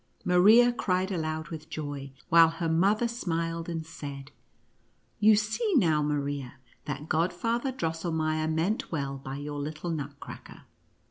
Maria cried aloud with joy, while her mother smiled, and said, " You see now, Maria, that Godfather Dross elmeier meant well by your little Nutcracker."